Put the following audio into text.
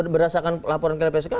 berasakan laporan ke lpsk